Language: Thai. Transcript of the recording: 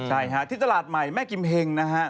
ใช่ค่ะที่ตลาดใหม่แม่กิมเพ็งนะครับ